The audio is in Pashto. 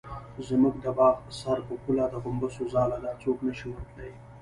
زموږ د باغ سره په پوله د غومبسو ځاله ده څوک نشي ورتلی.